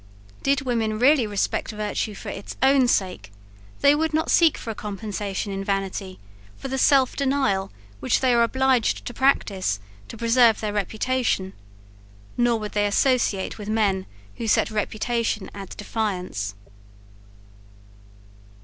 Did women really respect virtue for its own sake, they would not seek for a compensation in vanity, for the self denial which they are obliged to practise to preserve their reputation, nor would they associate with men who set reputation at defiance.